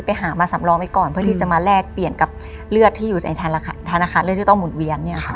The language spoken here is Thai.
ไปหามาสำรองไว้ก่อนเพื่อที่จะมาแลกเปลี่ยนกับเลือดที่อยู่ในธนาคารเลือดที่ต้องหุ่นเวียนเนี่ยค่ะ